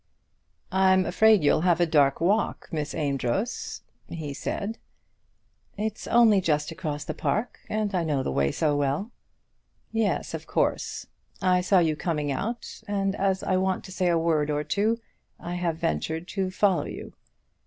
"I'm afraid you'll have a dark walk, Miss Amedroz," he said. "It's only just across the park, and I know the way so well." "Yes, of course. I saw you coming out, and as I want to say a word or two, I have ventured to follow you.